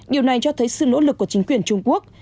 điều này cho thấy sự nỗ lực của chính quyền trung quốc